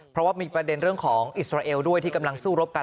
เพราะว่ามีประเด็นเรื่องของอิสราเอลด้วยที่กำลังสู้รบกัน